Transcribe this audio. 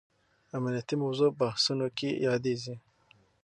امنیتي موضوع بحثونو کې یادېږي.